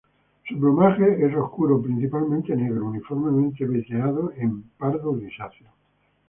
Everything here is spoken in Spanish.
Su plumaje es oscuro, principalmente negro uniformemente veteado en pardo grisáceo.